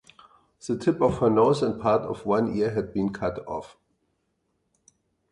The tip of her nose and part of one ear had been cut off.